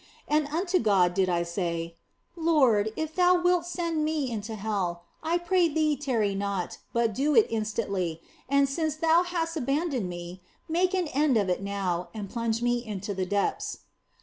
And unto God did I say :" Lord, if Thou wilt send me into hell, I pray Thee tarry not, but do it instantly, and since Thou hast abandoned me, make an end of it now and plunge me into the depths."